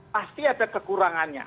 pasti ada kekurangannya